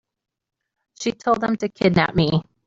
She told them to kidnap me.